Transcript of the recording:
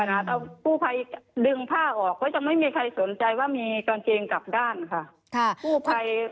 แต่กู้ภัยดึงผ้าออกก็ยังไม่มีใครสนใจว่ามีกางเกงกลับด้านค่ะ